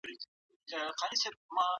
تاسو باید خپل مسؤلیت په غاړه واخلئ.